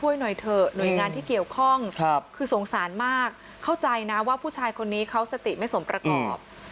หน่อยเถอะหน่วยงานที่เกี่ยวข้องคือสงสารมากเข้าใจนะว่าผู้ชายคนนี้เขาสติไม่สมประกอบ